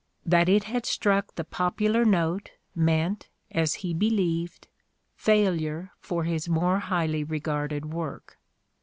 That it had struck the popular note meant, as he believed, failure for his more highly regarded work.